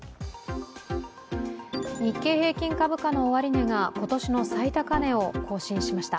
日経平均株価の終値が、今年の最高値を更新しました。